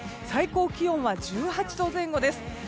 最高気温は１８度前後です。